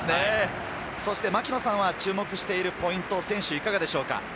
槙野さんは注目しているポイント、選手はいかがでしょうか？